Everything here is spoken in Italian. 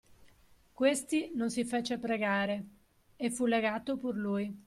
Questi non si fece pregare, e fu legato pur lui.